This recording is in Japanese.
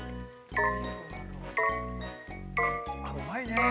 ◆あっ、うまいねえ。